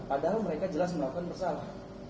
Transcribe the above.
padahal mereka jelas melakukan bersalah